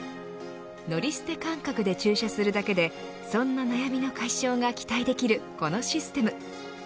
乗り捨て感覚で駐車するだけでそんな悩みの解消が期待できるこのシステム。